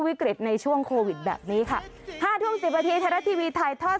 วิกฤตในช่วงโควิดแบบนี้ค่ะห้าทุ่งสิบอาทิตย์ไทยทอด